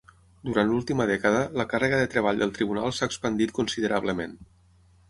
Durant l'última dècada, la càrrega de treball del Tribunal s'ha expandit considerablement.